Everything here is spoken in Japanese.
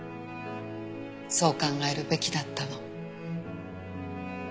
そう考えるべきだったの。